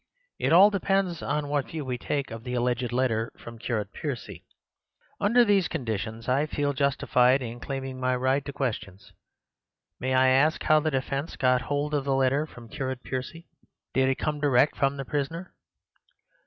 It all depends on what view we take of the alleged letter from Curate Percy. Under these conditions I feel justified in claiming my right to questions. May I ask how the defence got hold of the letter from Curate Percy? Did it come direct from the prisoner?"